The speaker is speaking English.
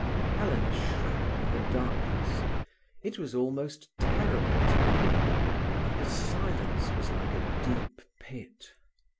Helena shrank in the darkness. It was almost terrible to her, and the silence was like a deep pit.